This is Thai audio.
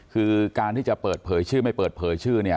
คือการที่จะเปิดเผยชื่อไม่เปิดเผยชื่อเนี่ย